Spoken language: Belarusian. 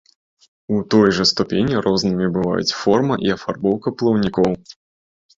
У такой жа ступені рознымі бываюць форма і афарбоўка плаўнікоў.